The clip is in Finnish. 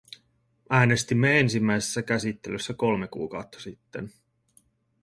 Äänestimme ensimmäisessä käsittelyssä kolme kuukautta sitten.